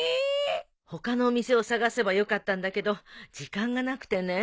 他のお店を探せばよかったんだけど時間がなくてね。